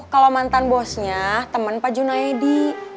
kalau mantan bosnya temen pak junaedi